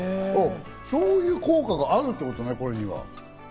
そういう効果があるってことね？